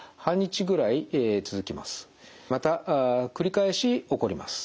また繰り返し起こります。